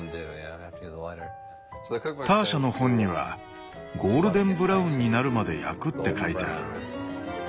ターシャの本には「ゴールデンブラウンになるまで焼く」って書いてある。